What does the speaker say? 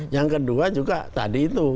yang kedua juga tadi itu